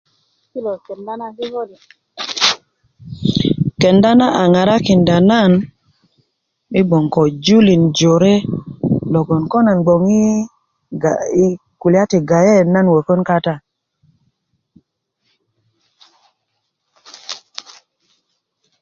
kenda na a ŋarakinda nan ko gbon ko julin jore logon ko nan gbon ko kulya ti gayet nan wökön kata